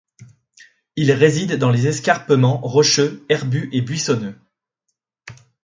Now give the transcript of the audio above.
Il réside dans les escarpements rocheux herbus et buissonneux.